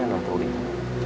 kos nanti anterin ya